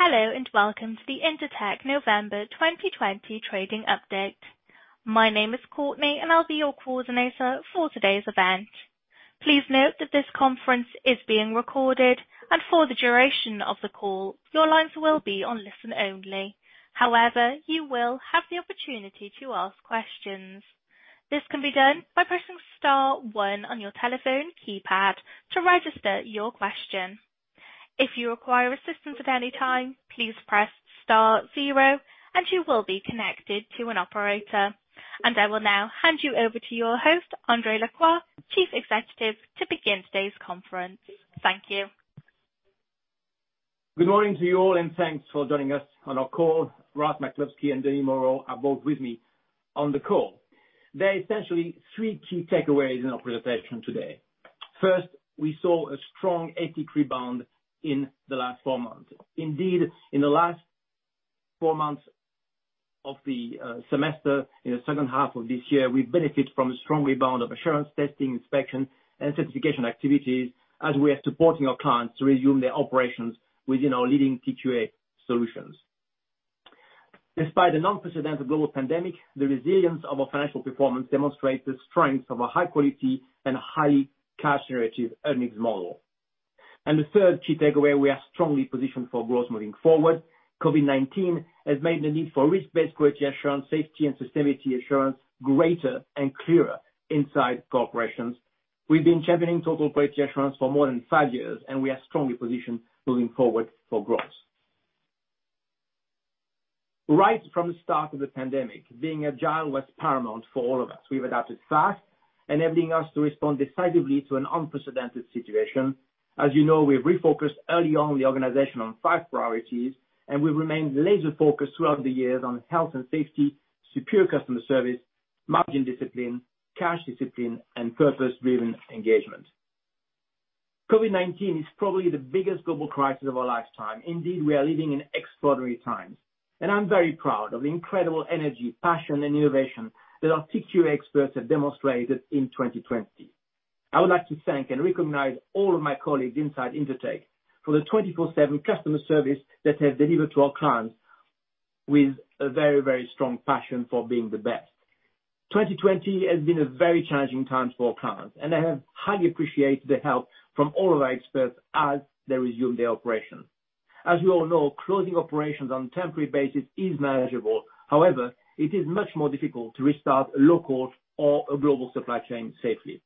Hello, welcome to the Intertek November 2020 trading update. My name is Courtney, and I'll be your coordinator for today's event. Please note that this conference is being recorded, and for the duration of the call, your lines will be on listen only. However, you will have the opportunity to ask questions. This can be done by pressing star one on your telephone keypad to register your question. If you require assistance at any time, please press star zero and you will be connected to an operator. I will now hand you over to your host, André Lacroix, Chief Executive, to begin today's conference. Thank you. Good morning to you all, and thanks for joining us on our call. Ross McCluskey and Denis Moreau are both with me on the call. There are essentially three key takeaways in our presentation today. First, we saw a strong ATIC rebound in the last four months. Indeed, in the last four months of the semester, in the second half of this year, we benefit from a strong rebound of assurance testing, inspection, and certification activities as we are supporting our clients to resume their operations within our leading TQA solutions. Despite the unprecedented global pandemic, the resilience of our financial performance demonstrates the strength of a high quality and highly cash generative earnings model. The third key takeaway, we are strongly positioned for growth moving forward. COVID-19 has made the need for risk-based quality assurance, safety and sustainability assurance greater and clearer inside corporations. We've been championing total quality assurance for more than five years. We are strongly positioned moving forward for growth. Right from the start of the pandemic, being agile was paramount for all of us. We've adapted fast, enabling us to respond decisively to an unprecedented situation. As you know, we've refocused early on the organization on five priorities. We've remained laser-focused throughout the years on health and safety, superior customer service, margin discipline, cash discipline, and purpose-driven engagement. COVID-19 is probably the biggest global crisis of our lifetime. Indeed, we are living in extraordinary times. I'm very proud of the incredible energy, passion, and innovation that our TQA experts have demonstrated in 2020. I would like to thank and recognize all of my colleagues inside Intertek for the 24/7 customer service that they have delivered to our clients with a very strong passion for being the best. 2020 has been a very challenging time for our clients, and they have highly appreciated the help from all of our experts as they resume their operations. As we all know, closing operations on a temporary basis is manageable. However, it is much more difficult to restart a local or a global supply chain safely.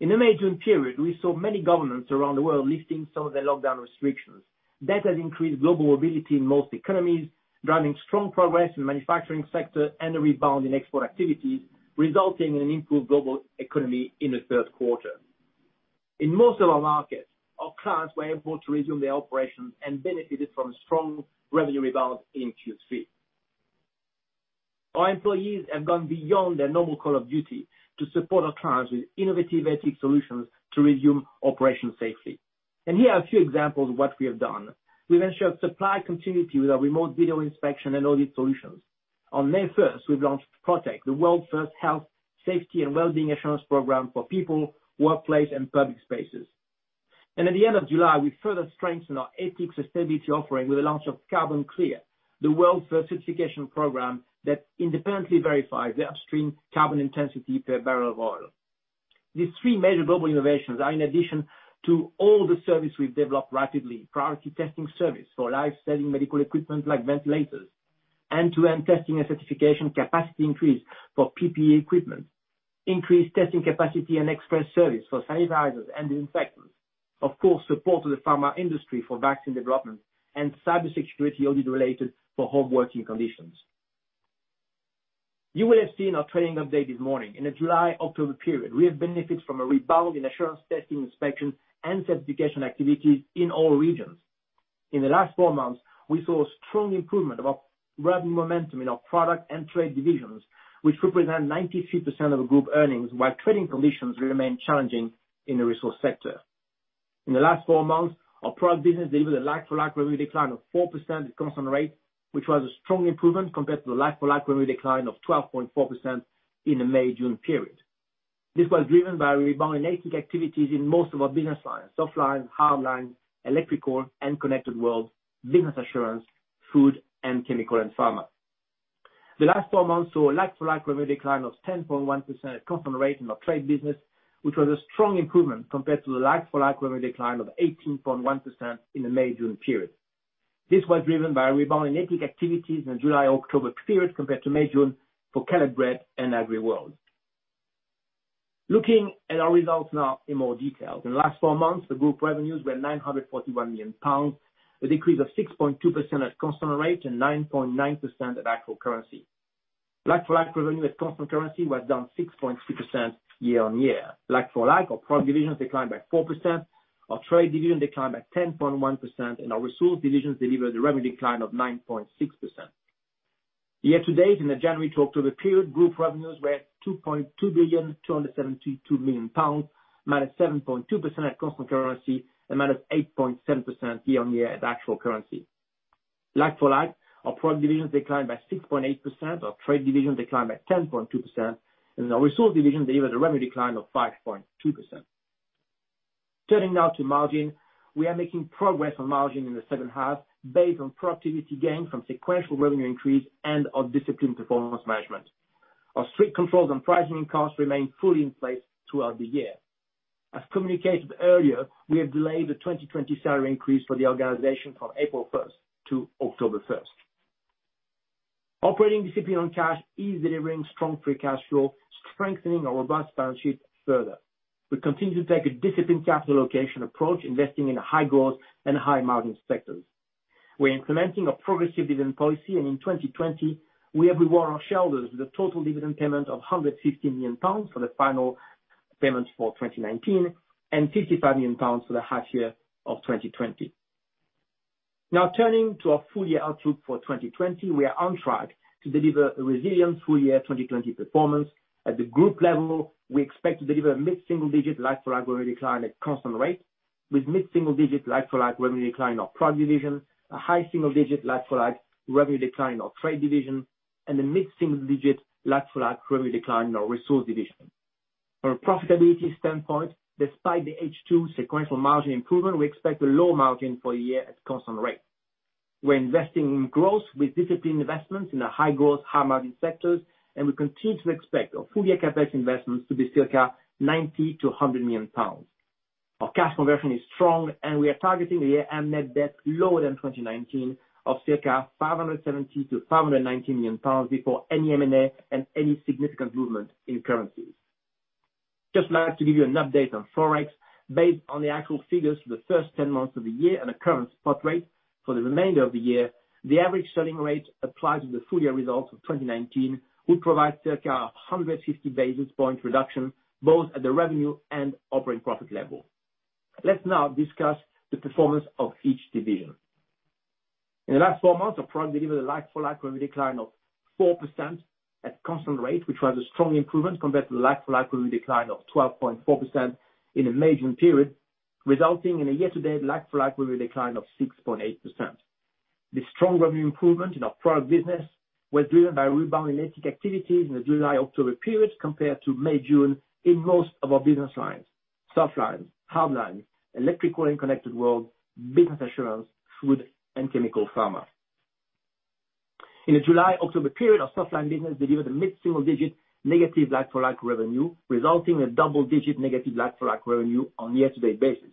In the May-June period, we saw many governments around the world lifting some of their lockdown restrictions. That has increased global mobility in most economies, driving strong progress in the manufacturing sector and a rebound in export activities, resulting in an improved global economy in the third quarter. In most of our markets, our clients were able to resume their operations and benefited from strong revenue rebounds in Q3. Our employees have gone beyond their normal call of duty to support our clients with innovative ATIC solutions to resume operations safely. Here are a few examples of what we have done. We ensured supply continuity with our remote video inspection and audit solutions. On May 1st, we launched Protek, the world's first health, safety, and wellbeing assurance program for people, workplace, and public spaces. At the end of July, we further strengthened our ethics sustainability offering with the launch of CarbonClear, the world's first certification program that independently verifies the upstream carbon intensity per barrel of oil. These three major global innovations are in addition to all the service we've developed rapidly. Priority testing service for life-saving medical equipment like ventilators, end-to-end testing and certification capacity increase for PPE equipment, increased testing capacity and express service for sanitizers and disinfectants. Of course, support to the pharma industry for vaccine development and cybersecurity audit related for home working conditions. You will have seen our trading update this morning. In the July-October period, we have benefited from a rebound in Assurance, Testing, Inspection, and Certification activities in all regions. In the last four months, we saw strong improvement of our revenue momentum in our product and trade divisions, which represent 93% of the group earnings, while trading conditions remain challenging in the resource sector. In the last four months, our product business delivered a like-for-like revenue decline of 4% at constant rate, which was a strong improvement compared to the like-for-like revenue decline of 12.4% in the May-June period. This was driven by a rebound in ATIC activities in most of our business lines, Softline, Hardline, Electrical and Connected World, Business Assurance, Food, and Chemical and Pharma. The last four months saw a like-for-like revenue decline of 10.1% at constant rate in our trade business, which was a strong improvement compared to the like-for-like revenue decline of 18.1% in the May-June period. This was driven by a rebound in ATIC activities in the July-October period compared to May-June for Caleb Brett and AgriWorld. Looking at our results now in more detail. In the last four months, the group revenues were 941 million pounds, a decrease of 6.2% at constant rate and 9.9% at actual currency. Like-for-like revenue at constant currency was down 6.2% year-on-year. Like-for-like, our product divisions declined by 4%, our trade division declined by 10.1%, and our resource divisions delivered a revenue decline of 9.6%. Year-to-date, in the January to October period, group revenues were 2.472 billion, amount of 7.2% at constant currency, amount of 8.7% year-on-year at actual currency. Like-for-like, our product division declined by 6.8%, our trade division declined by 10.2%, our resource division delivered a revenue decline of 5.2%. Turning now to margin. We are making progress on margin in H2 based on productivity gains from sequential revenue increase and our disciplined performance management. Our strict controls on pricing and costs remain fully in place throughout the year. As communicated earlier, we have delayed the 2020 salary increase for the organization from April 1st to October 1st. Operating discipline on cash is delivering strong free cash flow, strengthening our robust balance sheet further. We continue to take a disciplined capital allocation approach, investing in high growth and high margin sectors. We're implementing a progressive dividend policy, and in 2020, we have rewarded our shareholders with a total dividend payment of 150 million pounds for the final payment for 2019 and 55 million pounds for the half year of 2020. Turning to our full year outlook for 2020. We are on track to deliver a resilient full year 2020 performance. At the group level, we expect to deliver a mid-single digit like-for-like revenue decline at constant rate with mid-single digit like-for-like revenue decline in our product division, a high single digit like-for-like revenue decline in our trade division, and a mid-single digit like-for-like revenue decline in our resource division. From a profitability standpoint, despite the H2 sequential margin improvement, we expect a low margin for the year at constant rate. We're investing in growth with disciplined investments in the high growth, high margin sectors, and we continue to expect our full year CapEx investments to be circa 90 million-100 million pounds. Our cash conversion is strong, and we are targeting a year-end net debt lower than 2019 of circa 570 million-590 million pounds before any M&A and any significant movement in currencies. Just like to give you an update on Forex. Based on the actual figures for the first 10 months of the year and the current spot rate for the remainder of the year, the average selling rate applied to the full year results of 2019 would provide circa 150 basis point reduction both at the revenue and operating profit level. Let's now discuss the performance of each division. In the last four months, our product delivered a like-for-like revenue decline of 4% at constant rate, which was a strong improvement compared to the like-for-like revenue decline of 12.4% in the May-June period, resulting in a year-to-date like-for-like revenue decline of 6.8%. This strong revenue improvement in our product business was driven by a rebound in ATIC activities in the July-October period compared to May-June in most of our business lines: Softlines, Hardlines, Electrical and Connected World, Business Assurance, Food, and Chemicals & Pharmaceuticals. In the July-October period, our softline business delivered a mid-single digit negative like-for-like revenue, resulting in a double-digit negative like-for-like revenue on a year-to-date basis.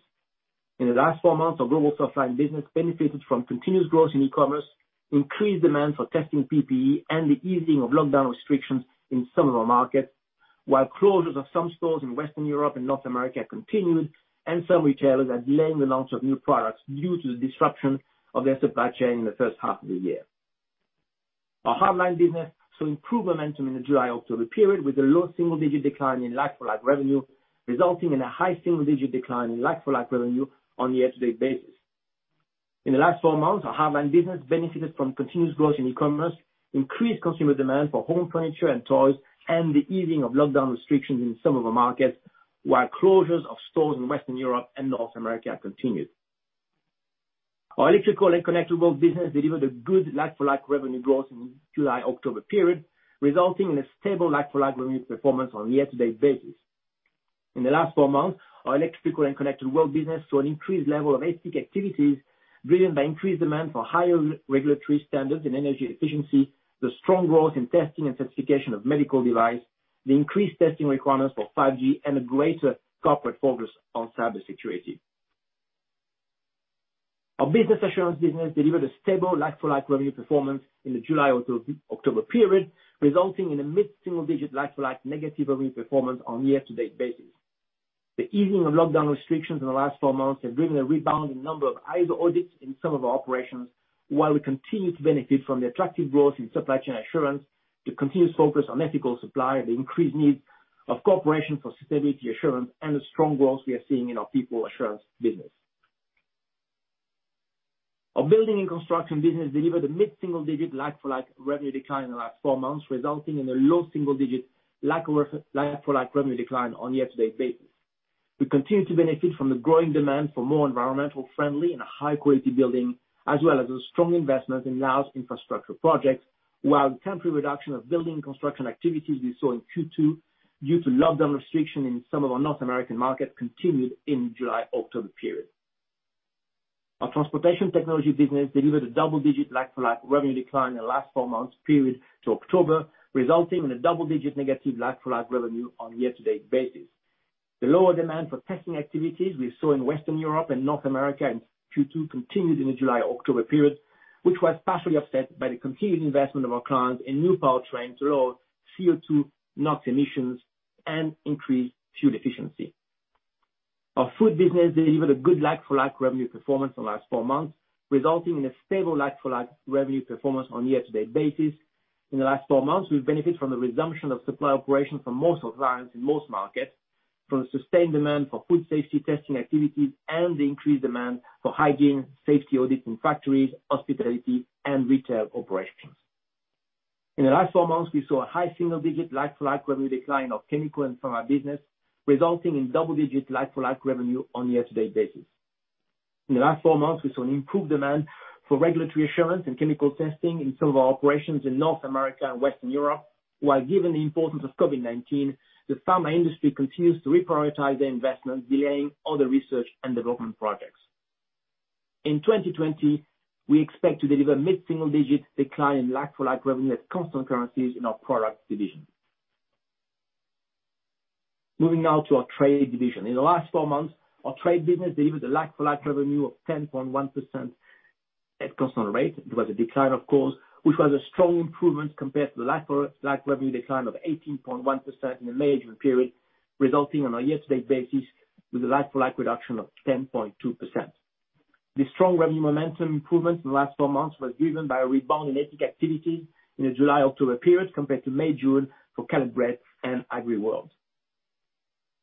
In the last four months, our global softline business benefited from continuous growth in e-commerce, increased demand for testing PPE, and the easing of lockdown restrictions in some of our markets, while closures of some stores in Western Europe and North America continued and some retailers are delaying the launch of new products due to the disruption of their supply chain in the first half of the year. Our hardline business saw improved momentum in the July-October period with a low single digit decline in like-for-like revenue, resulting in a high single digit decline in like-for-like revenue on a year-to-date basis. In the last four months, our hardline business benefited from continuous growth in e-commerce, increased consumer demand for home furniture and toys, and the easing of lockdown restrictions in some of our markets, while closures of stores in Western Europe and North America continued. Our electrical and connected world business delivered a good like-for-like revenue growth in July-October period, resulting in a stable like-for-like revenue performance on a year-to-date basis. In the last four months, our electrical and connected world business saw an increased level of ATIC activities driven by increased demand for higher regulatory standards and energy efficiency, the strong growth in testing and certification of medical device, the increased testing requirements for 5G, and a greater corporate focus on cybersecurity. Our business assurance business delivered a stable like-for-like revenue performance in the July-October period, resulting in a mid-single digit like-for-like negative revenue performance on a year-to-date basis. The easing of lockdown restrictions in the last four months have driven a rebound in number of ISO audits in some of our operations, while we continue to benefit from the attractive growth in supply chain assurance, the continued focus on ethical supply, the increased needs of corporations for sustainability assurance, and the strong growth we are seeing in our people assurance business. Our Building & Construction business delivered a mid-single digit like-for-like revenue decline in the last four months, resulting in a low single digit like-for-like revenue decline on a year-to-date basis. We continue to benefit from the growing demand for more environmental friendly and high quality building, as well as a strong investment in large infrastructure projects, while the temporary reduction of building construction activities we saw in Q2 due to lockdown restriction in some of our North American markets continued in July-October period. Our transportation technology business delivered a double-digit like-for-like revenue decline in the last four months period to October, resulting in a double-digit negative like-for-like revenue on a year-to-date basis. The lower demand for testing activities we saw in Western Europe and North America in Q2 continued in the July-October period, which was partially offset by the continued investment of our clients in new powertrains to lower CO2 NOx emissions and increase fuel efficiency. Our food business delivered a good like-for-like revenue performance in the last four months, resulting in a stable like-for-like revenue performance on a year-to-date basis. In the last four months, we've benefited from the resumption of supply operations for most of our clients in most markets, from the sustained demand for food safety testing activities, and the increased demand for hygiene safety audits in factories, hospitality, and retail operations. In the last four months, we saw a high single-digit like-for-like revenue decline of chemical and pharma business, resulting in double-digit like-for-like revenue on a year-to-date basis. In the last four months, we saw an improved demand for regulatory assurance and chemical testing in some of our operations in North America and Western Europe, while given the importance of COVID-19, the pharma industry continues to reprioritize their investments, delaying other research and development projects. In 2020, we expect to deliver mid-single-digit decline in like-for-like revenue at constant currencies in our Product division. Moving now to our Trade division. In the last four months, our trade business delivered a like-for-like revenue of 10.1% at constant rate. It was a decline, of course, which was a strong improvement compared to the like-for-like revenue decline of 18.1% in the May-June period, resulting on a year-to-date basis with a like-for-like reduction of 10.2%. This strong revenue momentum improvement in the last four months was driven by a rebound in ATIC activity in the July-October period compared to May-June for Caleb Brett and AgriWorld.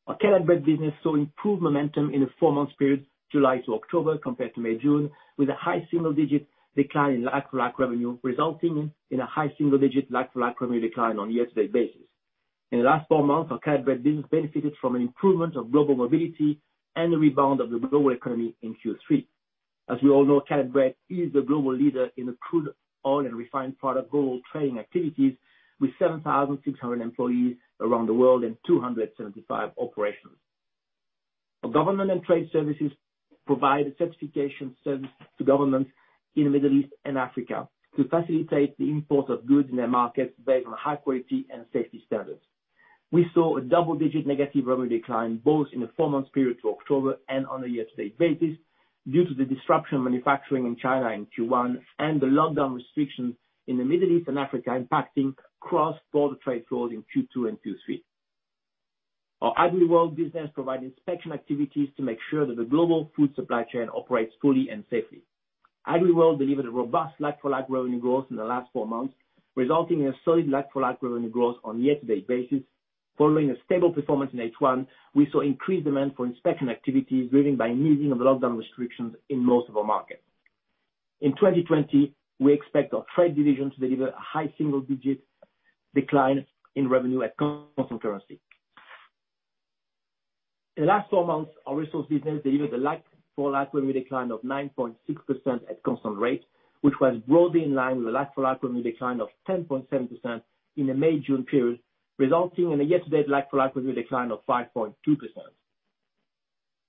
Our Caleb Brett business saw improved momentum in the four-month period, July to October, compared to May-June, with a high single-digit decline in like-for-like revenue, resulting in a high single-digit like-for-like revenue decline on a year-to-date basis. In the last four months, our Caleb Brett business benefited from an improvement of global mobility and the rebound of the global economy in Q3. As we all know, Caleb Brett is the global leader in the crude oil and refined product global trading activities with 7,600 employees around the world and 275 operations. Our Government and Trade Services provide a certification service to governments in the Middle East and Africa to facilitate the import of goods in their market based on high quality and safety standards. We saw a double-digit negative revenue decline, both in the four-month period to October and on a year-to-date basis due to the disruption of manufacturing in China in Q1 and the lockdown restrictions in the Middle East and Africa impacting cross-border trade flows in Q2 and Q3. Our AgriWorld business provide inspection activities to make sure that the global food supply chain operates fully and safely. AgriWorld delivered a robust like-for-like revenue growth in the last four months, resulting in a solid like-for-like revenue growth on year-to-date basis. Following a stable performance in H1, we saw increased demand for inspection activities driven by easing of lockdown restrictions in most of our markets. In 2020, we expect our trade division to deliver a high single-digit decline in revenue at constant currency. In the last four months, our resource business delivered a like-for-like revenue decline of 9.6% at constant rate, which was broadly in line with a like-for-like revenue decline of 10.7% in the May-June period, resulting in a year-to-date like-for-like revenue decline of 5.2%.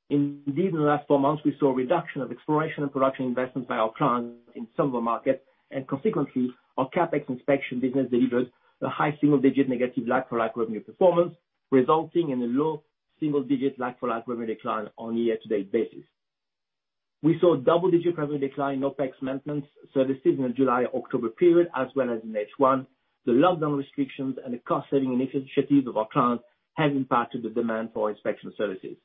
Indeed, in the last four months, we saw a reduction of exploration and production investments by our clients in some of our markets, and consequently, our CapEx inspection business delivered a high single-digit negative like-for-like revenue performance, resulting in a low single-digit like-for-like revenue decline on a year-to-date basis. We saw double-digit revenue decline in OpEx maintenance services in the July-October period, as well as in H1. The lockdown restrictions and the cost-saving initiatives of our clients has impacted the demand for our inspection services.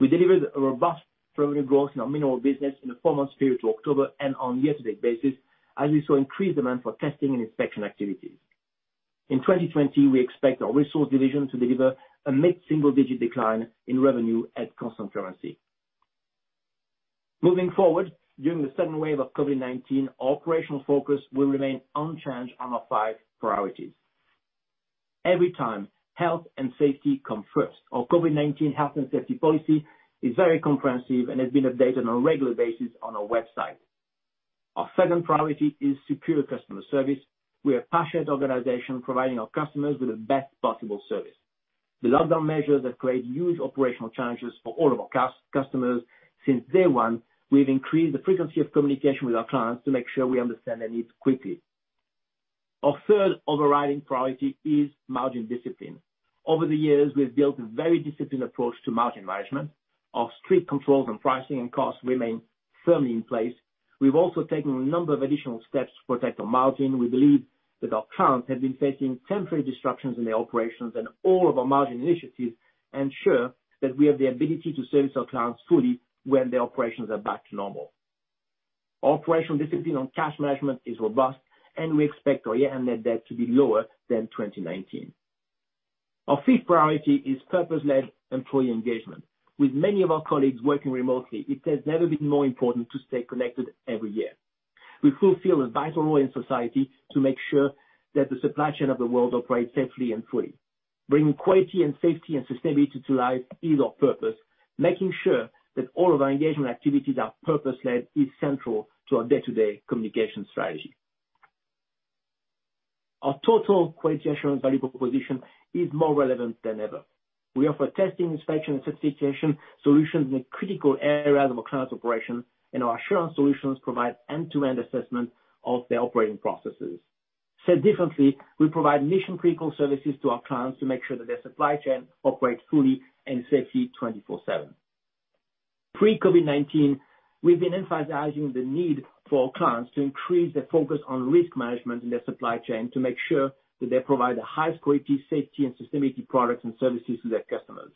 We delivered a robust revenue growth in our mineral business in the four months period to October and on year-to-date basis, as we saw increased demand for testing and inspection activities. In 2020, we expect our resource division to deliver a mid-single digit decline in revenue at constant currency. Moving forward, during the second wave of COVID-19, our operational focus will remain unchanged on our five priorities. Every time, health and safety come first. Our COVID-19 health and safety policy is very comprehensive and has been updated on a regular basis on our website. Our second priority is superior customer service. We're a passionate organization providing our customers with the best possible service. The lockdown measures have created huge operational challenges for all of our customers. Since day one, we've increased the frequency of communication with our clients to make sure we understand their needs quickly. Our third overriding priority is margin discipline. Over the years, we've built a very disciplined approach to margin management. Our strict controls on pricing and costs remain firmly in place. We've also taken a number of additional steps to protect our margin. We believe that our clients have been facing temporary disruptions in their operations, all of our margin initiatives ensure that we have the ability to service our clients fully when their operations are back to normal. Our operational discipline on cash management is robust, we expect our year-end net debt to be lower than 2019. Our fifth priority is purpose-led employee engagement. With many of our colleagues working remotely, it has never been more important to stay connected every year. We fulfill a vital role in society to make sure that the supply chain of the world operates safely and fully. Bringing quality and safety and sustainability to life is our purpose. Making sure that all of our engagement activities are purpose-led is central to our day-to-day communication strategy. Our Total Quality Assurance value proposition is more relevant than ever. We offer testing, inspection, and certification solutions in the critical areas of our clients' operations, and our assurance solutions provide end-to-end assessment of their operating processes. Said differently, we provide mission-critical services to our clients to make sure that their supply chain operates fully and safely 24/7. Pre-COVID-19, we've been emphasizing the need for our clients to increase their focus on risk management in their supply chain to make sure that they provide the highest quality, safety, and sustainability products and services to their customers.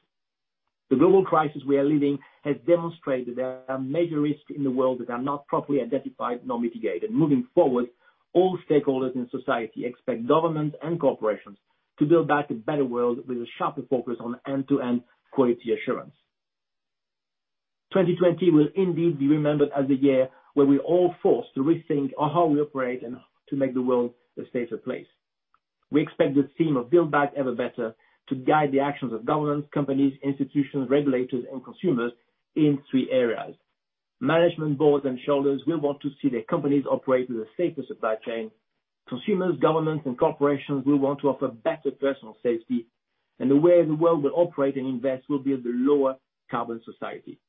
The global crisis we are living has demonstrated there are major risks in the world that are not properly identified nor mitigated. Moving forward, all stakeholders in society expect governments and corporations to build back a better world with a sharper focus on end-to-end quality assurance. 2020 will indeed be remembered as the year where we're all forced to rethink on how we operate and to make the world a safer place. We expect this theme of build back ever better to guide the actions of governments, companies, institutions, regulators, and consumers in three areas. Management boards and shareholders will want to see their companies operate with a safer supply chain. Consumers, governments, and corporations will want to offer better personal safety. The way the world will operate and invest will build a lower carbon society.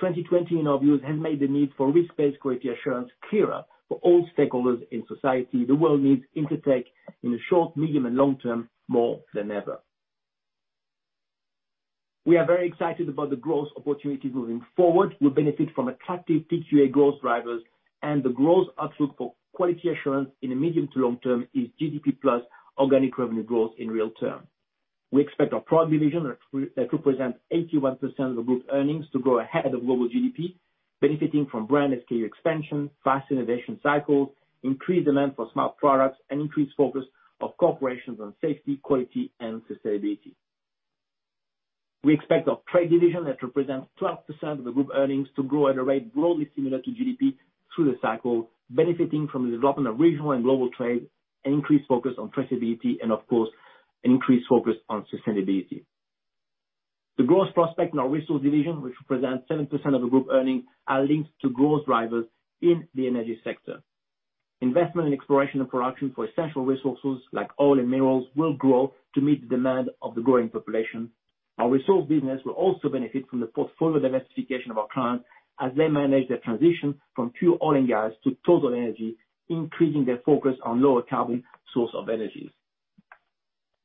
2020, in our view, has made the need for risk-based quality assurance clearer for all stakeholders in society. The world needs Intertek in the short, medium, and long term more than ever. We are very excited about the growth opportunities moving forward. We benefit from attractive TQA growth drivers and the growth outlook for quality assurance in the medium to long term is GDP plus organic revenue growth in real term. We expect our product division, that represents 81% of the group earnings, to grow ahead of global GDP, benefiting from brand SKU expansion, fast innovation cycles, increased demand for smart products, and increased focus of corporations on safety, quality, and sustainability. We expect our trade division, that represents 12% of the group earnings, to grow at a rate broadly similar to GDP through the cycle, benefiting from the development of regional and global trade and increased focus on traceability and, of course, increased focus on sustainability. The growth prospect in our resource division, which represents 7% of the group earnings, are linked to growth drivers in the energy sector. Investment in exploration and production for essential resources like oil and minerals will grow to meet the demand of the growing population. Our resource business will also benefit from the portfolio diversification of our clients as they manage their transition from pure oil and gas to total energy, increasing their focus on lower carbon source of energies.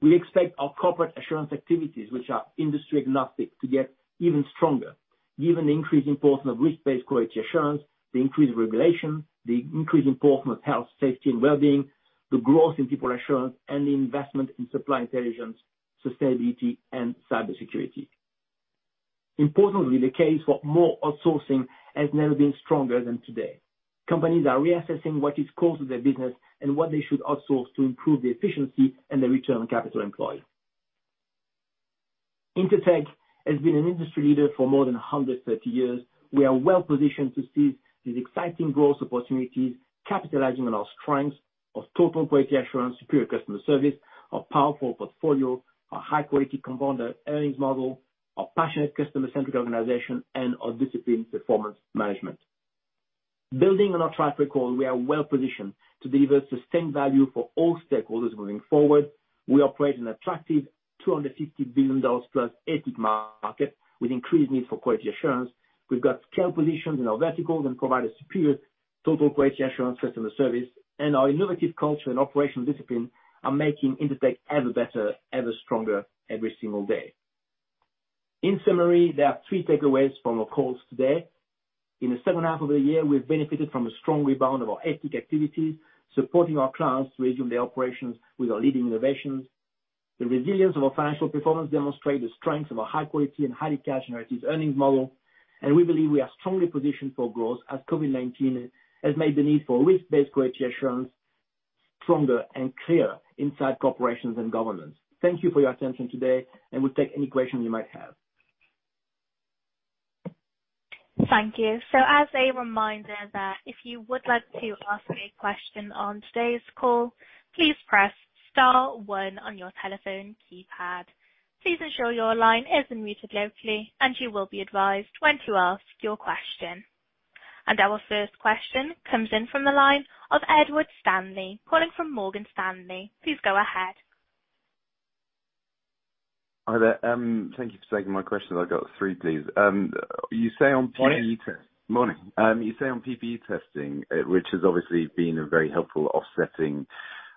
We expect our corporate assurance activities, which are industry agnostic, to get even stronger given the increased importance of risk-based quality assurance, the increased regulation, the increased importance of health, safety, and well-being, the growth in people assurance, and the investment in supply intelligence, sustainability, and cybersecurity. Importantly, the case for more outsourcing has never been stronger than today. Companies are reassessing what is core to their business and what they should outsource to improve their efficiency and their return on capital employed. Intertek has been an industry leader for more than 130 years. We are well-positioned to seize these exciting growth opportunities, capitalizing on our strengths of Total Quality Assurance, superior customer service, our powerful portfolio, our high-quality compound earnings model, our passionate customer-centric organization, and our disciplined performance management. Building on our track record, we are well-positioned to deliver sustained value for all stakeholders moving forward. We operate an attractive GBP 250+ billion ATIC market with increased need for quality assurance. We've got scale positions in our verticals and provide a superior Total Quality Assurance customer service. Our innovative culture and operational discipline are making Intertek ever better, ever stronger every single day. In summary, there are three takeaways from our calls today. In the second half of the year, we've benefited from a strong rebound of our ATIC activities, supporting our clients to resume their operations with our leading innovations. The resilience of our financial performance demonstrate the strengths of our high quality and highly cash generative earnings model, and we believe we are strongly positioned for growth as COVID-19 has made the need for risk-based quality assurance stronger and clearer inside corporations and governments. Thank you for your attention today, and we'll take any questions you might have. Thank you. As a reminder that if you would like to ask a question on today's call, please press star one on your telephone keypad. Please ensure your line is unmuted locally, and you will be advised when to ask your question. Our first question comes in from the line of Edward Stanley, calling from Morgan Stanley. Please go ahead. Hi there. Thank you for taking my questions. I've got three, please. You say on PPE- Morning. Morning. You say on PPE testing, which has obviously been a very helpful offsetting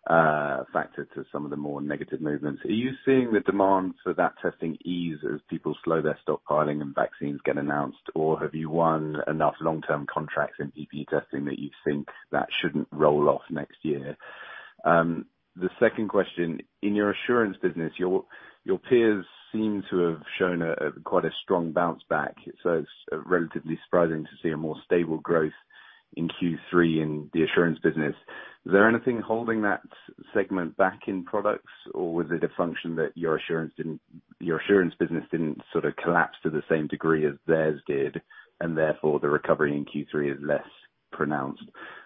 factor to some of the more negative movements, are you seeing the demand for that testing ease as people slow their stockpiling and vaccines get announced, or have you won enough long-term contracts in PPE testing that you think that shouldn't roll off next year? The second question, in your assurance business, your peers seem to have shown quite a strong bounce back, it's relatively surprising to see a more stable growth in Q3 in the assurance business. Is there anything holding that segment back in products, or was it a function that your assurance business didn't sort of collapse to the same degree as theirs did, and therefore the recovery in Q3 is less pronounced?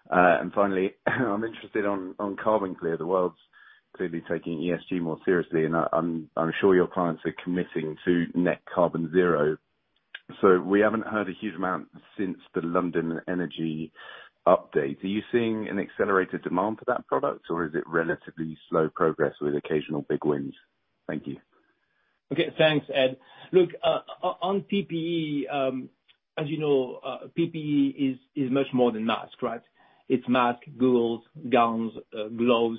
Finally, I'm interested on CarbonClear. The world's clearly taking ESG more seriously, and I'm sure your clients are committing to net carbon zero. We haven't heard a huge amount since the London energy update. Are you seeing an accelerated demand for that product, or is it relatively slow progress with occasional big wins? Thank you. Thanks, Ed. On PPE, as you know, PPE is much more than mask, right? It's mask, goggles, gowns, gloves.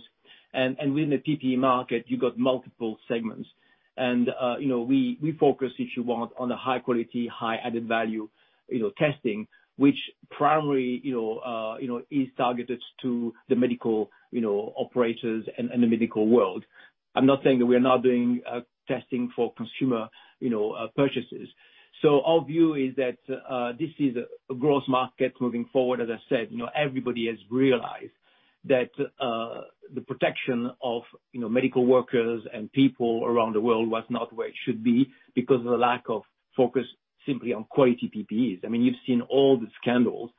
Within the PPE market, you got multiple segments. We focus, if you want, on the high quality, high added value testing, which primarily is targeted to the medical operators and the medical world. I'm not saying that we are not doing testing for consumer purchases. Our view is that this is a growth market moving forward. As I said, everybody has realized that the protection of medical workers and people around the world was not where it should be because of the lack of focus simply on quality PPEs. You've seen all the scandals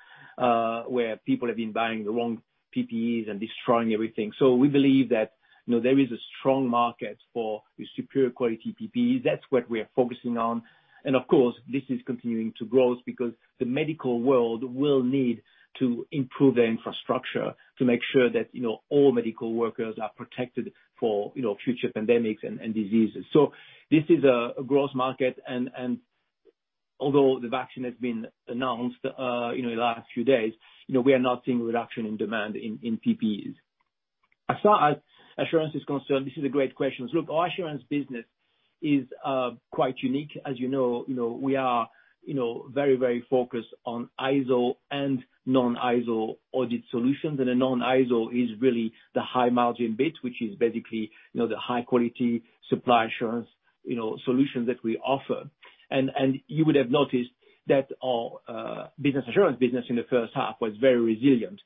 where people have been buying the wrong PPEs and destroying everything. We believe that there is a strong market for the superior quality PPE. That's what we are focusing on. Of course, this is continuing to grow because the medical world will need to improve their infrastructure to make sure that all medical workers are protected for future pandemics and diseases. This is a growth market, and although the vaccine has been announced in the last few days, we are not seeing a reduction in demand in PPEs. As far as Assurance is concerned, this is a great question. Look, our Assurance business is quite unique. As you know, we are very focused on ISO and non-ISO audit solutions. A non-ISO is really the high margin bit, which is basically the high-quality supply assurance solution that we offer. You would have noticed that our business Assurance business in the first half was very resilient.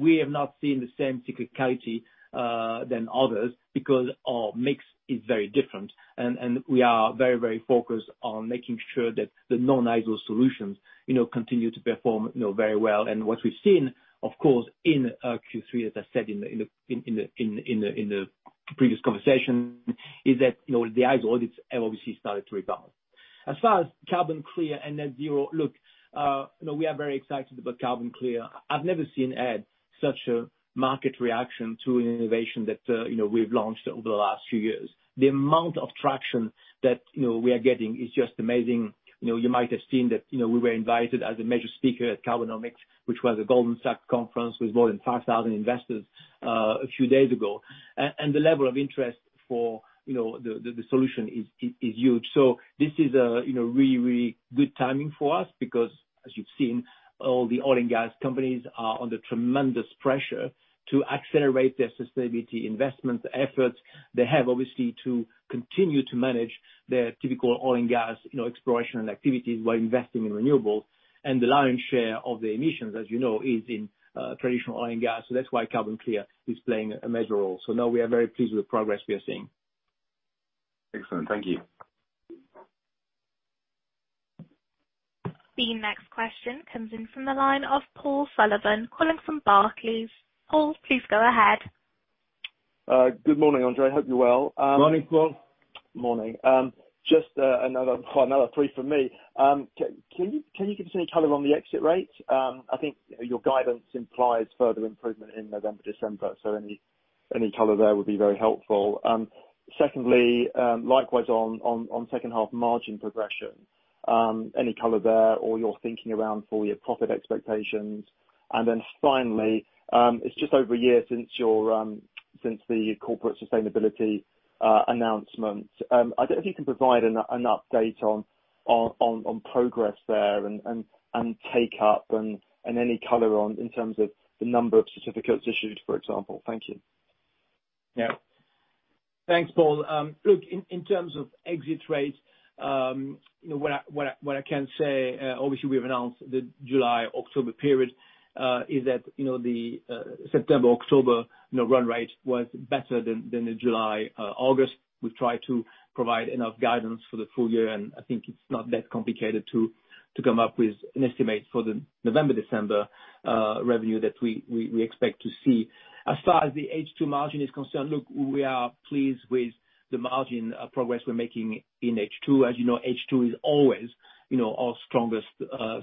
We have not seen the same cyclicality than others, because our mix is very different, and we are very focused on making sure that the non-ISO solutions continue to perform very well. What we've seen, of course, in Q3, as I said in the previous conversation, is that the ISO audits have obviously started to rebound. As far as CarbonClear and net zero, look, we are very excited about CarbonClear. I've never seen, Ed, such a market reaction to an innovation that we've launched over the last few years. The amount of traction that we are getting is just amazing. You might have seen that we were invited as a major speaker at Carbonomics, which was a Goldman Sachs conference with more than 5,000 investors a few days ago. The level of interest for the solution is huge. This is really good timing for us because as you've seen, all the oil and gas companies are under tremendous pressure to accelerate their sustainability investment efforts. They have obviously to continue to manage their typical oil and gas exploration and activities while investing in renewables. The lion's share of the emissions, as you know, is in traditional oil and gas. That's why CarbonClear is playing a major role. No, we are very pleased with the progress we are seeing. Excellent. Thank you. The next question comes in from the line of Paul Sullivan calling from Barclays. Paul, please go ahead. Good morning, André, hope you're well. Morning, Paul. Morning. Just another three from me. Can you give us any color on the exit rates? I think your guidance implies further improvement in November, December. Any color there would be very helpful. Secondly, likewise on second half margin progression. Any color there or your thinking around full year profit expectations. Finally, it's just over a year since the corporate sustainability announcement. I don't know if you can provide an update on progress there and take up and any color in terms of the number of certificates issued, for example. Thank you. Thanks, Paul. In terms of exit rates, what I can say, obviously, we've announced the July-October period, is that the September-October run rate was better than the July-August. We've tried to provide enough guidance for the full year, I think it's not that complicated to come up with an estimate for the November-December revenue that we expect to see. As far as the H2 margin is concerned, we are pleased with the margin progress we're making in H2. As you know, H2 is always our strongest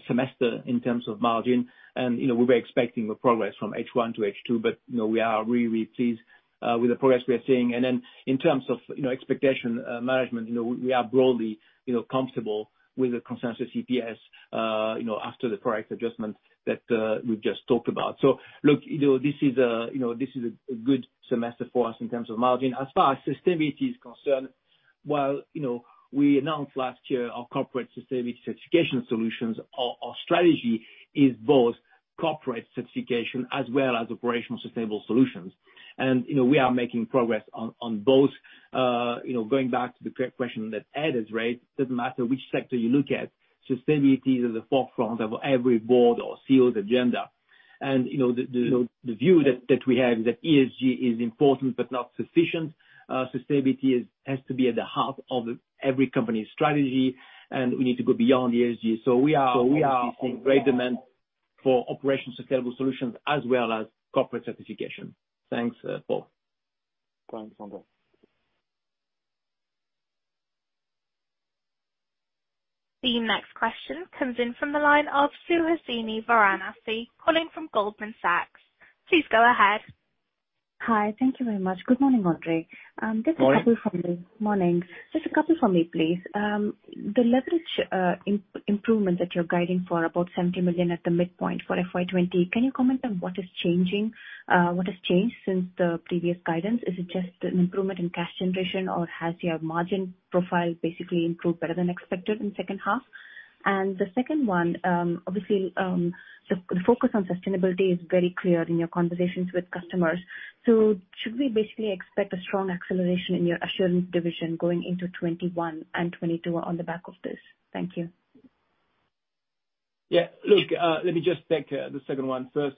semester in terms of margin. We were expecting progress from H1 to H2, we are really pleased with the progress we are seeing. In terms of expectation management, we are broadly comfortable with the consensus EPS after the price adjustment that we've just talked about. Look, this is a good semester for us in terms of margin. As far as sustainability is concerned, while we announced last year our corporate sustainability certification solutions, our strategy is both corporate certification as well as operational sustainable solutions. We are making progress on both. Going back to the question that Ed has raised, it doesn't matter which sector you look at, sustainability is at the forefront of every board or CEO's agenda. The view that we have that ESG is important but not sufficient. Sustainability has to be at the heart of every company's strategy, and we need to go beyond ESG. We are seeing great demand for operation sustainable solutions as well as corporate certification. Thanks, Paul. Thanks, André. The next question comes in from the line of Suhasini Varanasi calling from Goldman Sachs. Please go ahead. Hi. Thank you very much. Good morning, André. Morning. Morning. Just a couple from me, please. The leverage improvement that you're guiding for, about 70 million at the midpoint for FY 2020, can you comment on what has changed since the previous guidance? Is it just an improvement in cash generation, or has your margin profile basically improved better than expected in second half? The second one, obviously, the focus on sustainability is very clear in your conversations with customers. Should we basically expect a strong acceleration in your Assurance division going into 2021 and 2022 on the back of this? Thank you. Let me just take the second one first.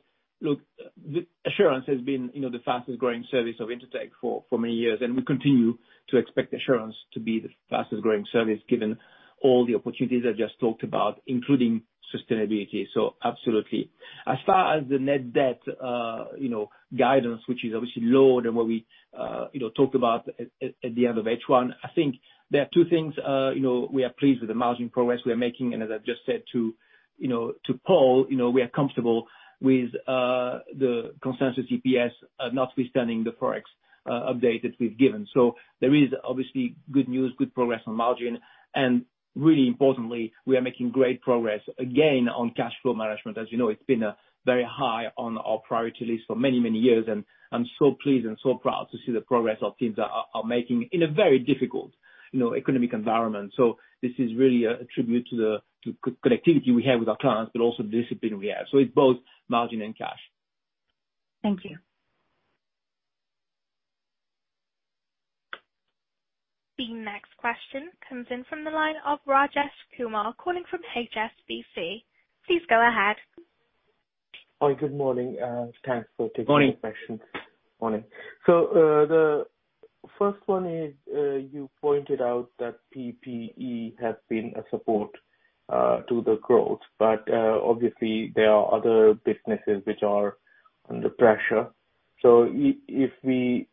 Assurance has been the fastest growing service of Intertek for many years, and we continue to expect assurance to be the fastest growing service, given all the opportunities I just talked about, including sustainability. Absolutely. As far as the net debt guidance, which is obviously lower than what we talked about at the end of H1, I think there are two things. We are pleased with the margin progress we are making, and as I've just said to Paul, we are comfortable with the consensus EPS, notwithstanding the Forex update that we've given. There is obviously good news, good progress on margin, really importantly, we are making great progress again on cash flow management. As you know, it's been very high on our priority list for many, many years, and I'm so pleased and so proud to see the progress our teams are making in a very difficult economic environment. This is really a tribute to connectivity we have with our clients, but also the discipline we have. It's both margin and cash. Thank you. The next question comes in from the line of Rajesh Kumar calling from HSBC. Please go ahead. Hi, good morning. Thanks for taking my question. Morning. Morning. The first one is, you pointed out that PPE has been a support to the growth, but obviously there are other businesses which are under pressure. If we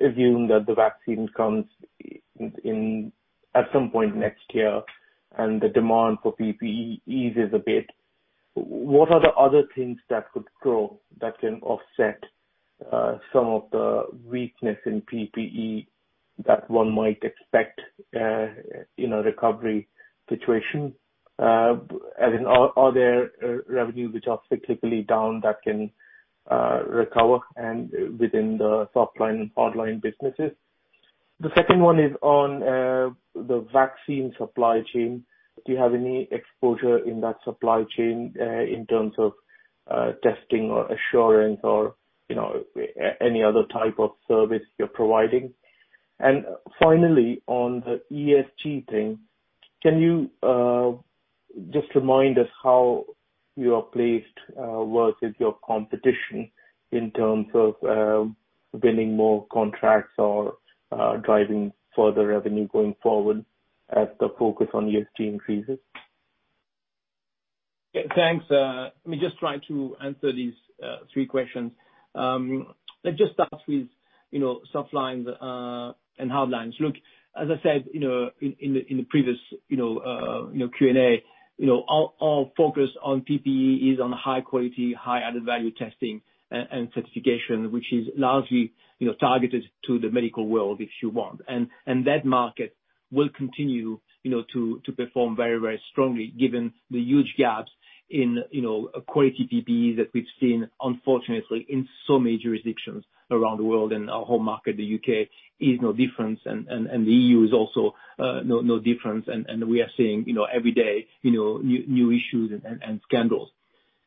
assume that the vaccine comes at some point next year and the demand for PPE eases a bit, what are the other things that could grow that can offset some of the weakness in PPE that one might expect in a recovery situation? Are there revenues which are cyclically down that can recover and within the soft line, hard line businesses? The second one is on the vaccine supply chain. Do you have any exposure in that supply chain, in terms of testing or assurance or any other type of service you're providing? Finally, on the ESG thing, can you just remind us how you are placed versus your competition in terms of winning more contracts or driving further revenue going forward as the focus on ESG increases? Thanks. Let me just try to answer these three questions. Let's just start with soft lines and hard lines. Look, as I said in the previous Q&A, our focus on PPE is on high quality, high added-value testing and certification, which is largely targeted to the medical world, if you want. That market will continue to perform very, very strongly given the huge gaps in quality PPE that we've seen, unfortunately, in so many jurisdictions around the world, and our home market, the U.K., is no different, and the EU is also no different. We are seeing every day new issues and scandals.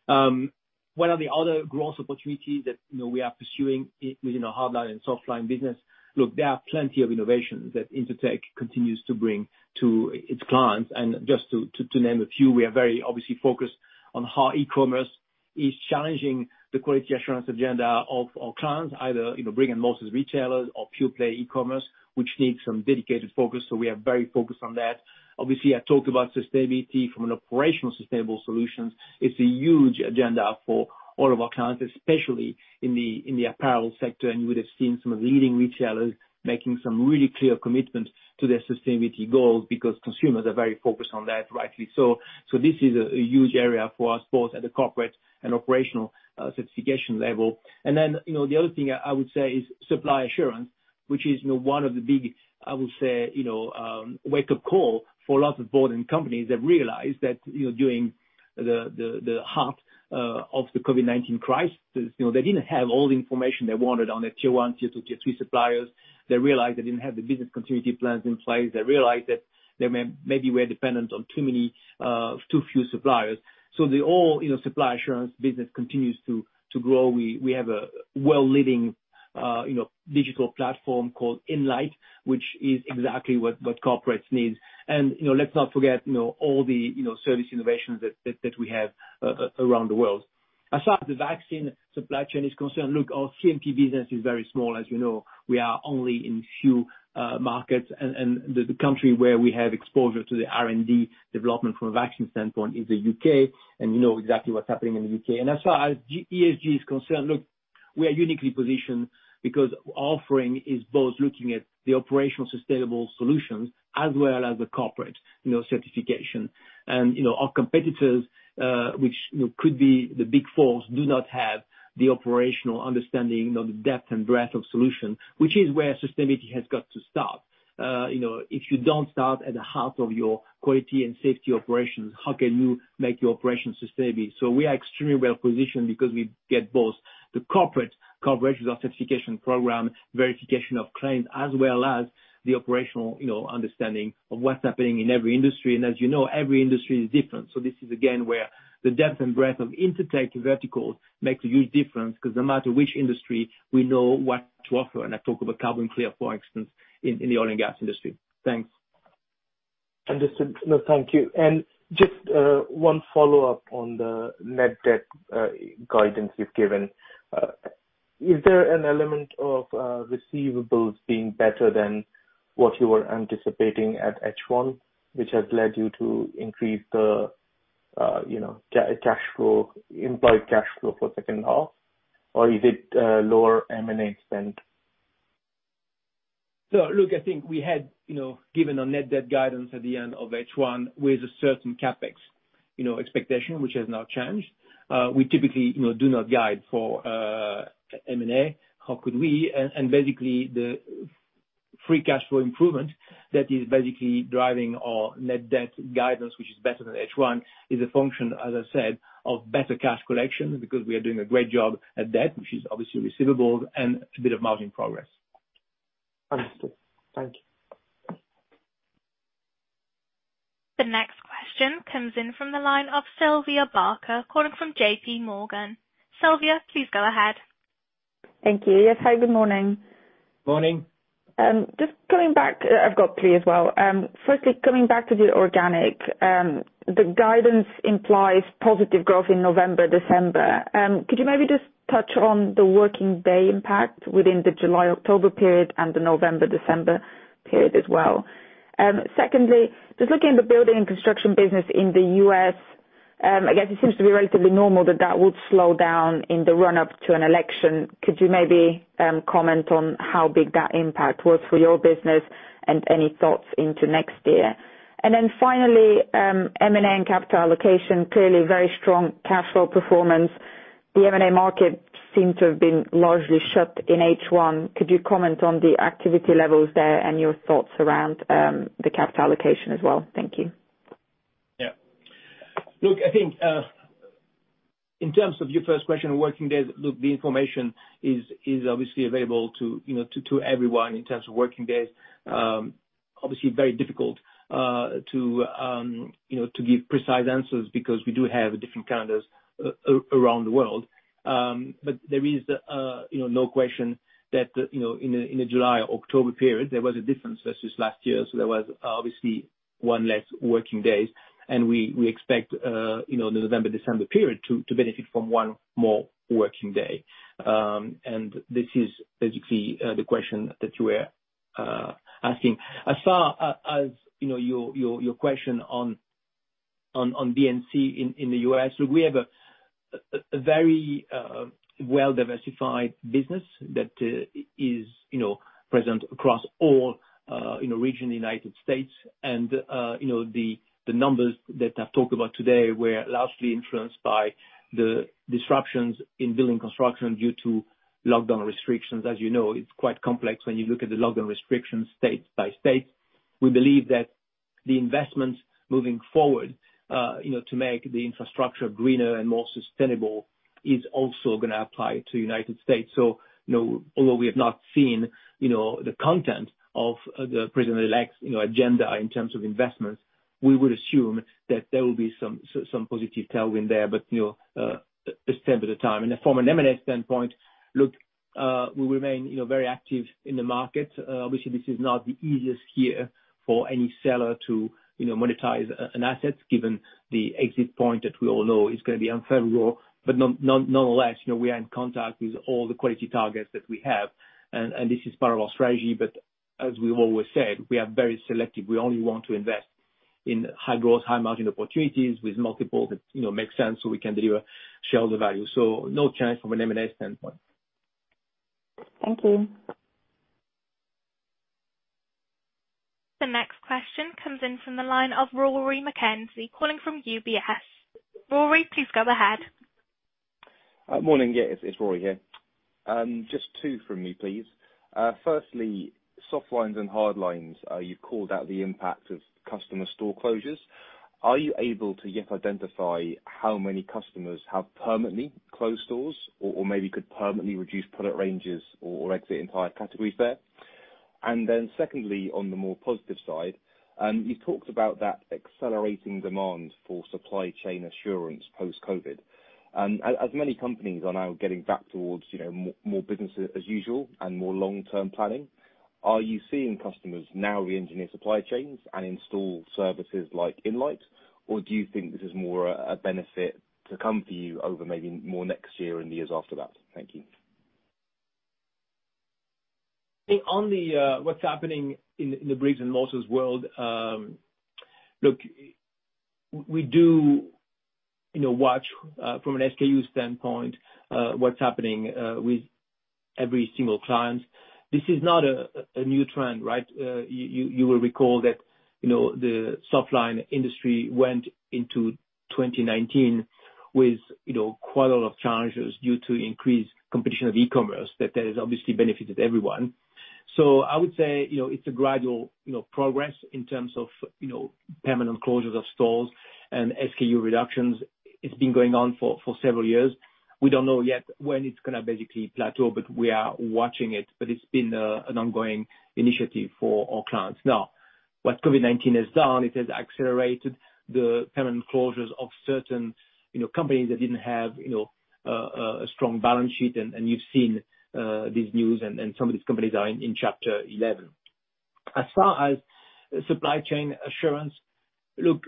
One of the other growth opportunities that we are pursuing within our hard line and soft line business, look, there are plenty of innovations that Intertek continues to bring to its clients. Just to name a few, we are very obviously focused on how e-commerce is challenging the quality assurance agenda of our clients, either brick-and-mortar retailers or pure play e-commerce, which needs some dedicated focus. We are very focused on that. Obviously, I talked about sustainability from an operational sustainable solutions. It's a huge agenda for all of our clients, especially in the apparel sector, and you would have seen some of the leading retailers making some really clear commitments to their sustainability goals because consumers are very focused on that, rightly so. This is a huge area for us both at the corporate and operational certification level. The other thing I would say is supply assurance, which is one of the big, I would say, wake-up call for a lot of board and companies that realized that during the heart of the COVID-19 crisis, they didn't have all the information they wanted on their Tier 1, Tier 2, Tier 3 suppliers. They realized they didn't have the business continuity plans in place. They realized that they maybe were dependent on too few suppliers. The all supply assurance business continues to grow. We have a world leading digital platform called Inlight, which is exactly what corporates need. Let's not forget all the service innovations that we have around the world. As far as the vaccine supply chain is concerned, look, our C&P business is very small. As you know, we are only in few markets. The country where we have exposure to the R&D development from a vaccine standpoint is the U.K. You know exactly what's happening in the U.K. As far as ESG is concerned, look, we are uniquely positioned because offering is both looking at the operational sustainable solutions as well as the corporate certification. Our competitors, which could be the Big Four, do not have the operational understanding nor the depth and breadth of solution, which is where sustainability has got to start. If you don't start at the heart of your quality and safety operations, how can you make your operation sustainable? We are extremely well-positioned because we get both the corporate coverage with authentication program, verification of claims, as well as the operational understanding of what's happening in every industry. As you know, every industry is different. This is again, where the depth and breadth of Intertek verticals makes a huge difference because no matter which industry, we know what to offer. I talk about CarbonClear, for instance, in the oil and gas industry. Thanks. Understood. No, thank you. Just one follow-up on the net debt guidance you've given. Is there an element of receivables being better than what you were anticipating at H1 which has led you to increase the implied cash flow for second half? Or is it lower M&A spend? Look, I think we had given a net debt guidance at the end of H1 with a certain CapEx expectation, which has now changed. We typically do not guide for M&A. How could we? Basically, the free cash flow improvement that is basically driving our net debt guidance, which is better than H1, is a function, as I said, of better cash collection, because we are doing a great job at debt, which is obviously receivables and a bit of margin progress. Understood. Thank you. The next question comes in from the line of Sylvia Barker calling from JPMorgan. Sylvia, please go ahead. Thank you. Yes. Hi, good morning. Morning. Just coming back, I've got three as well. Coming back to the organic, the guidance implies positive growth in November, December. Could you maybe just touch on the working day impact within the July-October period and the November-December period as well? Just looking at the building and construction business in the U.S., I guess it seems to be relatively normal that that would slow down in the run-up to an election. Could you maybe comment on how big that impact was for your business and any thoughts into next year? Finally, M&A and capital allocation. Clearly very strong cash flow performance. The M&A market seems to have been largely shut in H1. Could you comment on the activity levels there and your thoughts around the capital allocation as well? Thank you. Yeah. Look, I think, in terms of your first question, working days, look, the information is obviously available to everyone in terms of working days. Obviously very difficult to give precise answers because we do have different calendars around the world. There is no question that in the July-October period, there was a difference versus last year. There was obviously one less working days, and we expect the November-December period to benefit from one more working day. This is basically the question that you were asking. As far as your question on B&C in the U.S., look, we have a very well-diversified business that is present across all regions in the United States. The numbers that I've talked about today were largely influenced by the disruptions in building construction due to lockdown restrictions. As you know, it's quite complex when you look at the lockdown restrictions state by state. We believe that the investments moving forward to make the infrastructure greener and more sustainable is also going to apply to United States. Although we have not seen the content of the President-elect's agenda in terms of investments, we would assume that there will be some positive tailwind there. It's a step at a time. From an M&A standpoint, look, we remain very active in the market. Obviously, this is not the easiest year for any seller to monetize an asset, given the exit point that we all know is going to be unfavorable. Nonetheless, we are in contact with all the quality targets that we have, and this is part of our strategy. As we've always said, we are very selective. We only want to invest in high-growth, high-margin opportunities with multiples that make sense, so we can deliver shareholder value. No change from an M&A standpoint. Thank you. The next question comes in from the line of Rory McKenzie calling from UBS. Rory, please go ahead. Morning. It's Rory here. Just two from me, please. Firstly, soft lines and hard lines. You've called out the impact of customer store closures. Are you able to yet identify how many customers have permanently closed stores or maybe could permanently reduce product ranges or exit entire categories there? Secondly, on the more positive side, you talked about that accelerating demand for supply chain assurance post-COVID. As many companies are now getting back towards more business as usual and more long-term planning, are you seeing customers now re-engineer supply chains and install services like Inlight, or do you think this is more a benefit to come for you over maybe more next year and the years after that? Thank you. What's happening in the bricks and mortars world, look, we do watch from an SKU standpoint, what's happening with every single client. This is not a new trend, right? You will recall that the softline industry went into 2019 with quite a lot of challenges due to increased competition of e-commerce. That has obviously benefited everyone. I would say it's a gradual progress in terms of permanent closures of stores and SKU reductions. It's been going on for several years. We don't know yet when it's going to basically plateau, but we are watching it. It's been an ongoing initiative for our clients. What COVID-19 has done, it has accelerated the permanent closures of certain companies that didn't have a strong balance sheet. You've seen this news, and some of these companies are in Chapter 11. As far as supply chain assurance, look,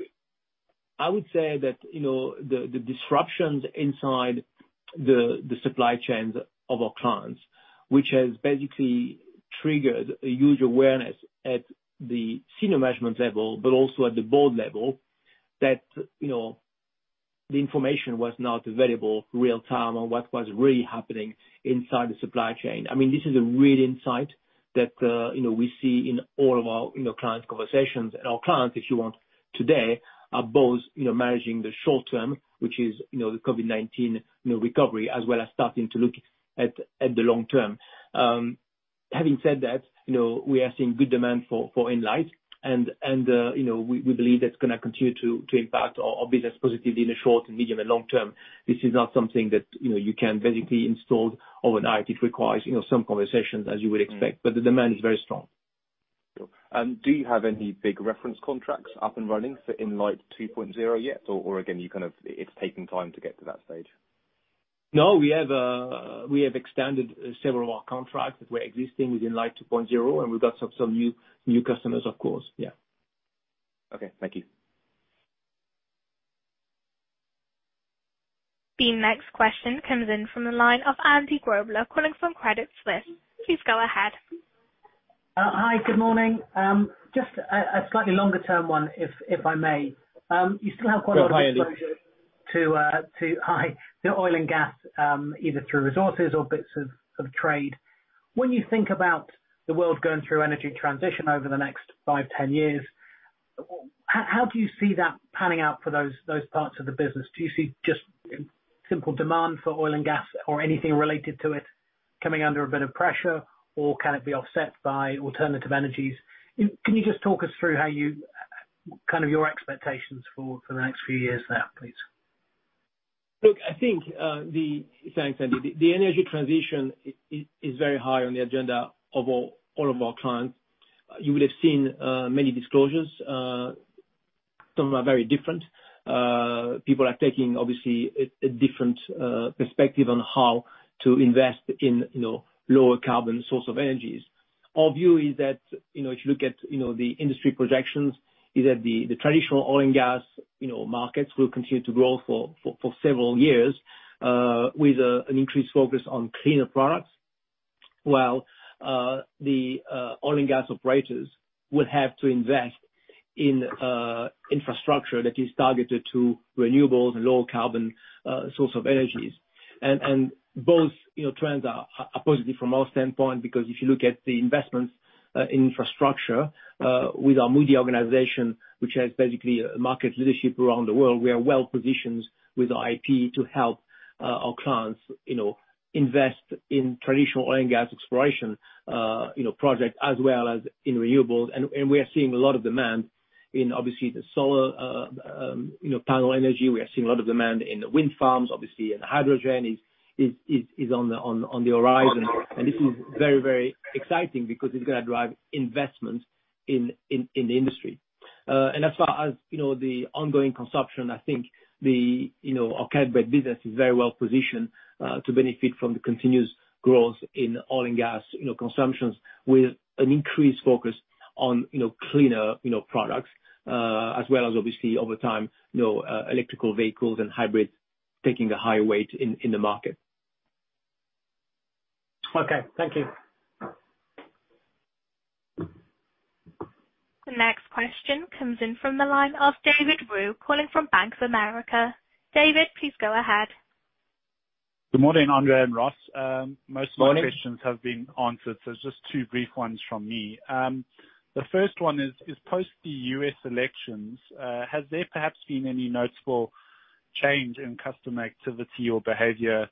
I would say that the disruptions inside the supply chains of our clients, which has basically triggered a huge awareness at the senior management level, but also at the board level that the information was not available real time on what was really happening inside the supply chain. This is a real insight that we see in all of our clients' conversations and our clients, if you want, today, are both managing the short term, which is the COVID-19 recovery, as well as starting to look at the long term. Having said that, we are seeing good demand for Inlight and we believe that's going to continue to impact our business positively in the short and medium and long term. This is not something that you can basically install overnight. It requires some conversations as you would expect, but the demand is very strong. Cool. Do you have any big reference contracts up and running for Inlight 2.0 yet? Again, it's taking time to get to that stage? No, we have extended several of our contracts that were existing with Inlight 2.0, and we got some new customers, of course. Yeah. Okay. Thank you. The next question comes in from the line of Andy Grobler calling from Credit Suisse. Please go ahead. Hi, good morning. Just a slightly longer term one, if I may. You still have quite- Hi, Andy. a lot of exposure to oil and gas, either through resources or bits of trade. When you think about the world going through energy transition over the next five, 10 years, how do you see that panning out for those parts of the business? Do you see just simple demand for oil and gas or anything related to it coming under a bit of pressure? Can it be offset by alternative energies? Can you just talk us through your expectations for the next few years there, please? Look. Thanks, Andy. The energy transition is very high on the agenda of all of our clients. You will have seen many disclosures. Some are very different. People are taking obviously a different perspective on how to invest in lower carbon source of energies. Our view is that, if you look at the industry projections, is that the traditional oil and gas markets will continue to grow for several years, with an increased focus on cleaner products, while the oil and gas operators will have to invest in infrastructure that is targeted to renewables and low carbon source of energies. Both trends are positive from our standpoint, because if you look at the investments in infrastructure with our Intertek Moody organization, which has basically a market leadership around the world, we are well-positioned with our IP to help our clients invest in traditional oil and gas exploration projects as well as in renewables. We are seeing a lot of demand in, obviously, the solar panel energy. We are seeing a lot of demand in the wind farms, obviously, and hydrogen is on the horizon. This is very exciting because it's going to drive investment in the industry. As far as the ongoing consumption, I think our business is very well-positioned to benefit from the continuous growth in oil and gas consumptions with an increased focus on cleaner products, as well as obviously, over time, electrical vehicles and hybrids taking a higher weight in the market. Okay. Thank you. The next question comes in from the line of David Woo calling from Bank of America. David, please go ahead. Good morning, André and Ross. Morning. Most of my questions have been answered. Just two brief ones from me. The first one is, post the U.S. elections, has there perhaps been any notable change in customer activity or behavior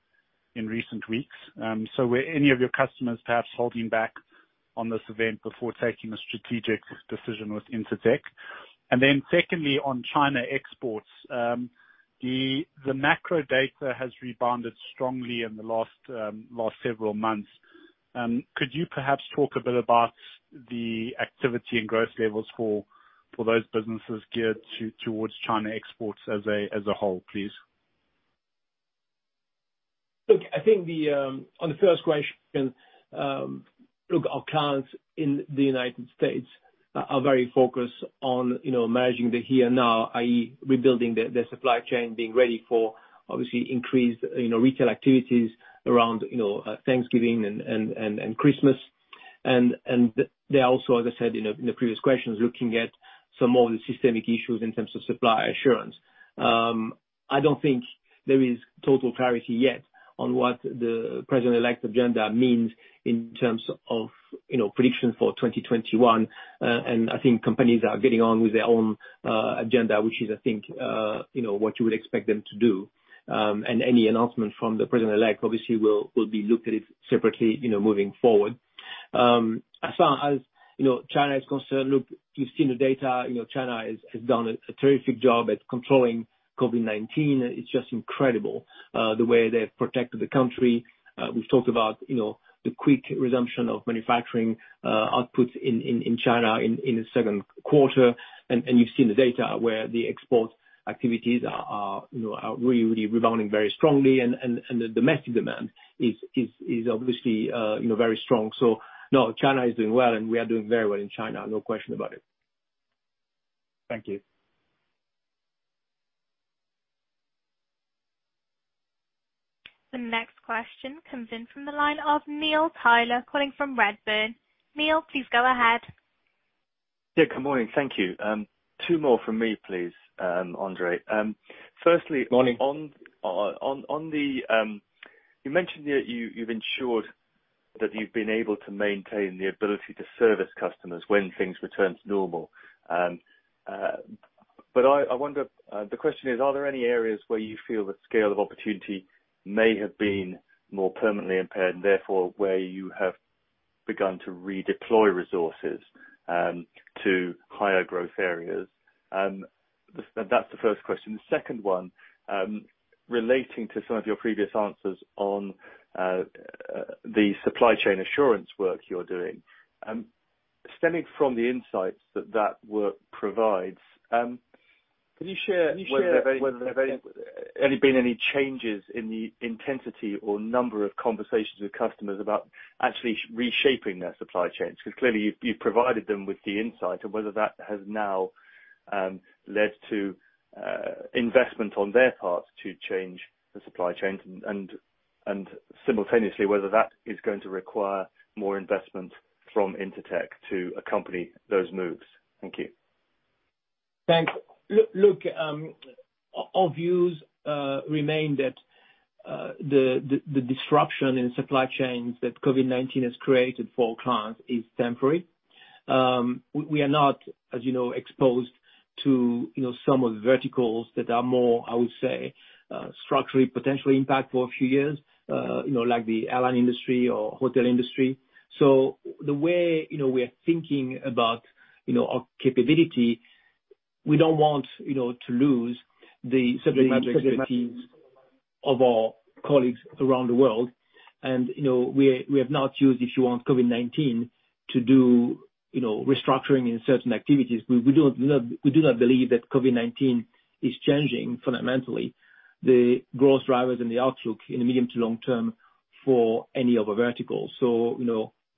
in recent weeks? Were any of your customers perhaps holding back on this event before taking a strategic decision with Intertek? Secondly, on China exports, the macro data has rebounded strongly in the last several months. Could you perhaps talk a bit about the activity and growth levels for those businesses geared towards China exports as a whole, please? Look, I think on the first question, our clients in the U.S. are very focused on managing the here and now, i.e., rebuilding their supply chain, being ready for obviously increased retail activities around Thanksgiving and Christmas. They are also, as I said in the previous questions, looking at some of the systemic issues in terms of supply assurance. I don't think there is total clarity yet on what the president-elect agenda means in terms of prediction for 2021. I think companies are getting on with their own agenda, which is, I think, what you would expect them to do. Any announcement from the president-elect obviously will be looked at separately moving forward. As far as China is concerned, look, you've seen the data. China has done a terrific job at controlling COVID-19. It's just incredible the way they've protected the country. We've talked about the quick resumption of manufacturing outputs in China in the second quarter. You've seen the data where the export activities are really rebounding very strongly and the domestic demand is obviously very strong. No, China is doing well and we are doing very well in China. No question about it. Thank you. The next question comes in from the line of Neil Tyler, calling from Redburn. Neil, please go ahead. Yeah, good morning. Thank you. Two more from me, please, André. Morning You mentioned that you've ensured that you've been able to maintain the ability to service customers when things return to normal. The question is, are there any areas where you feel the scale of opportunity may have been more permanently impaired, and therefore where you have begun to redeploy resources to higher growth areas? That's the first question. The second one, relating to some of your previous answers on the supply chain assurance work you're doing. Stemming from the insights that work provides, can you share whether there have been any changes in the intensity or number of conversations with customers about actually reshaping their supply chains? Clearly you've provided them with the insight and whether that has now led to investment on their part to change the supply chains, and simultaneously whether that is going to require more investment from Intertek to accompany those moves. Thank you. Thanks. Look, our views remain that the disruption in supply chains that COVID-19 has created for our clients is temporary. We are not, as you know, exposed to some of the verticals that are more, I would say, structurally potentially impacted for a few years, like the airline industry or hotel industry. The way we are thinking about our capability, we don't want to lose the subject matter expertise of our colleagues around the world. We have not used, if you want, COVID-19 to do restructuring in certain activities. We do not believe that COVID-19 is changing fundamentally the growth drivers and the outlook in the medium to long term for any of our verticals.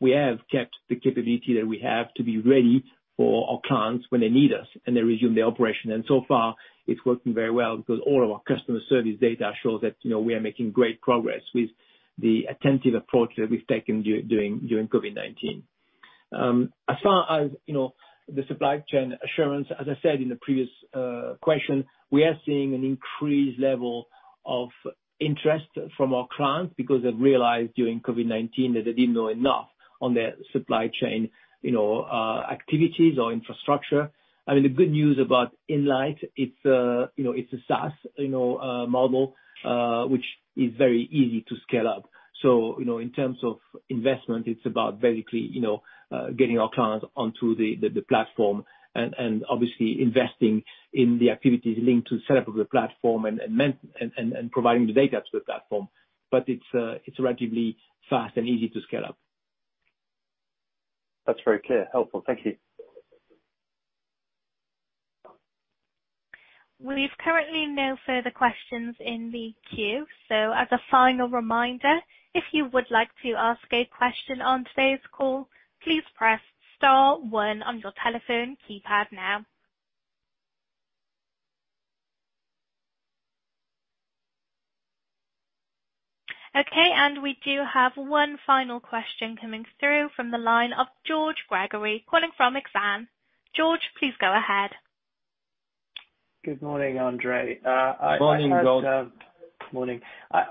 We have kept the capability that we have to be ready for our clients when they need us and they resume their operation. So far it's working very well because all of our customer service data shows that we are making great progress with the attentive approach that we've taken during COVID-19. As far as the supply chain assurance, as I said in the previous question, we are seeing an increased level of interest from our clients because they've realized during COVID-19 that they didn't know enough on their supply chain activities or infrastructure. I mean, the good news about Inlight, it's a SaaS model, which is very easy to scale up. In terms of investment, it's about basically getting our clients onto the platform and obviously investing in the activities linked to the setup of the platform and providing the data to the platform. It's relatively fast and easy to scale up. That's very clear. Helpful. Thank you. We've currently no further questions in the queue, so as a final reminder, if you would like to ask a question on today's call, please press star one on your telephone keypad now. Okay, we do have one final question coming through from the line of George Gregory calling from Exane. George, please go ahead. Good morning, André. Morning, George. Morning.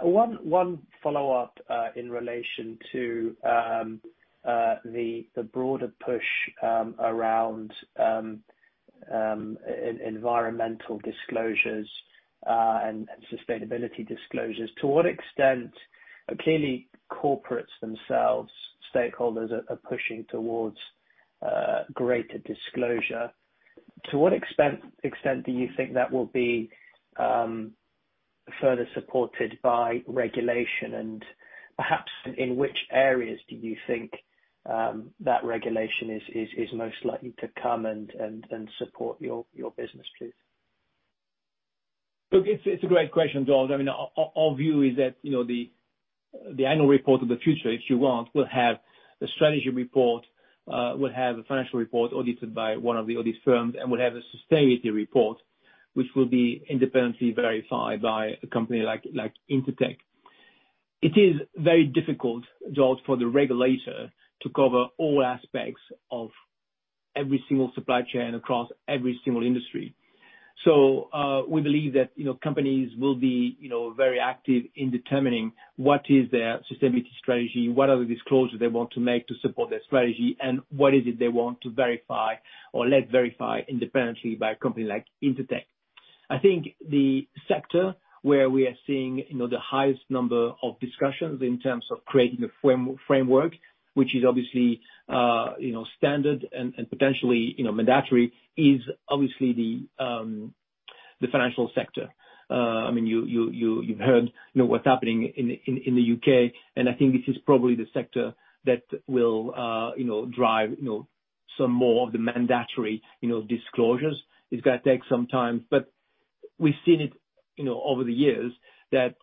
One follow-up in relation to the broader push around environmental disclosures and sustainability disclosures. Clearly corporates themselves, stakeholders are pushing towards greater disclosure. To what extent do you think that will be further supported by regulation, and perhaps in which areas do you think that regulation is most likely to come and support your business, please? Look, it's a great question, George. I mean, our view is that the annual report of the future, if you want, will have a strategy report, will have a financial report audited by one of the audit firms, and will have a sustainability report, which will be independently verified by a company like Intertek. It is very difficult, George, for the regulator to cover all aspects of every single supply chain across every single industry. We believe that companies will be very active in determining what is their sustainability strategy, what are the disclosures they want to make to support their strategy, and what is it they want to verify or let verify independently by a company like Intertek. I think the sector where we are seeing the highe st number of discussions in terms of creating a framework, which is obviously standard and potentially mandatory, is obviously the financial sector. I mean, you've heard what's happening in the U.K. I think this is probably the sector that will drive some more of the mandatory disclosures. It's going to take some time. We've seen it over the years that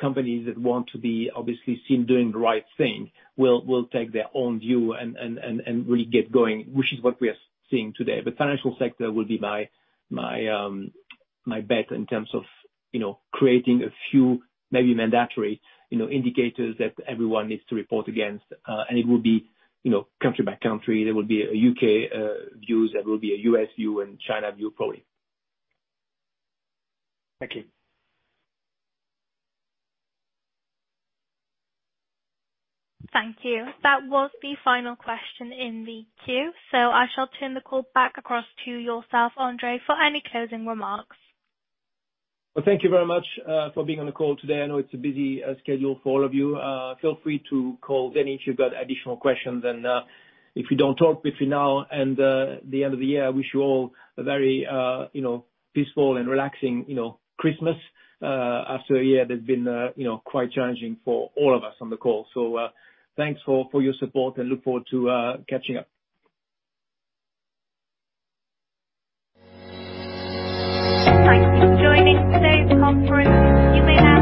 companies that want to be obviously seen doing the right thing will take their own view and really get going, which is what we are seeing today. Financial sector will be my bet in terms of creating a few, maybe mandatory indicators that everyone needs to report against. It will be country by country. There will be a U.K. view, there will be a U.S. view and China view, probably. Thank you. Thank you. That was the final question in the queue. I shall turn the call back across to yourself, André, for any closing remarks. Well, thank you very much for being on the call today. I know it's a busy schedule for all of you. Feel free to call Denis if you've got additional questions. If we don't talk between now and the end of the year, I wish you all a very peaceful and relaxing Christmas after a year that's been quite challenging for all of us on the call. Thanks all for your support and look forward to catching up. Thanks for joining today's conference. You may now-